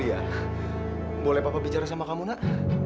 iya boleh papa bicara sama kamu nak